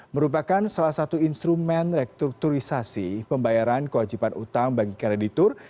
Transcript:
merupakan salah satu instrumen restrukturisasi pembayaran kewajiban utang bagi kreditur